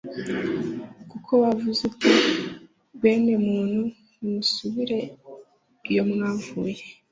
kuko wavuze uti Bene muntu nimusubire iyo mwavuye